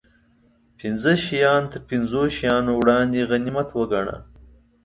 پنځه شیان تر پنځو شیانو وړاندې غنیمت و ګڼه